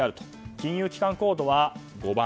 金融機関コードは５番。